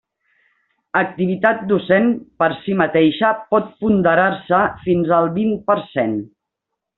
Activitat docent, per si mateixa, pot ponderar-se fins al vint per cent.